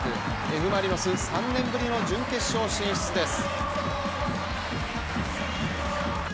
Ｆ・マリノス、３年ぶりの準決勝進出です。